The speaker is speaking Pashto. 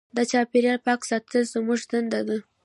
د چاپېریال پاک ساتل زموږ دنده ده.